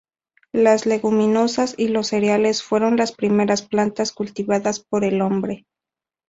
Las leguminosas y los cereales fueron las primeras plantas cultivadas por el hombre.